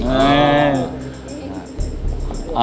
อ่า